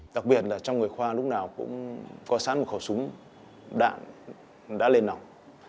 đặc biệt là trong người khoa lúc nào cũng có sẵn một khẩu súng đạn đã lên nòng